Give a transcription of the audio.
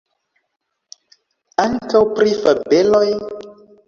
Ankaŭ pri fabeloj?